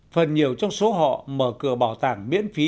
phần nhiều trong số họ mở cửa bảo tàng miễn phí